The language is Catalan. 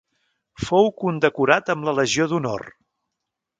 Fou condecorat amb la Legió d'Honor.